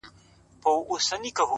• مرمۍ اغېزه نه کوي ,